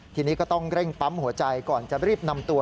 ทีนี้ก็ต้องเร่งปั๊มหัวใจก่อนจะรีบนำตัว